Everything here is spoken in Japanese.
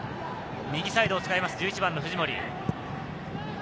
右サイドを使います、藤森。